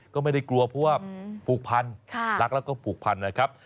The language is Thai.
ก็ไม่ได้กลัวเพราะว่าผูกพันรักแล้วก็ผูกพันนะครับ